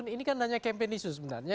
ini kan hanya campaign isu sebenarnya